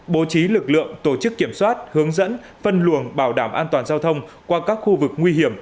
bố trí lực lượng tổ chức kiểm soát hướng dẫn phân luồng bảo đảm an toàn giao thông qua các khu vực nguy hiểm